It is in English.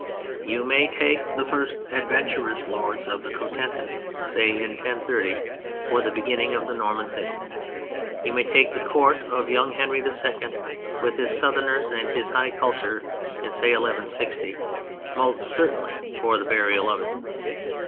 You may take the first adventurous lords of the Cotentin in, say 1030, for the beginning of the Norman thing; you may take the Court of young Henry II. with his Southerners and his high culture in, say 1160, most certainly for the burial of it.